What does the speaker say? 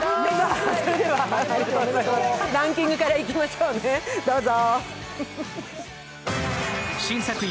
それではランキングからいきましょうね、どうぞ。